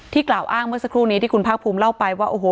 กล่าวอ้างเมื่อสักครู่นี้ที่คุณภาคภูมิเล่าไปว่าโอ้โห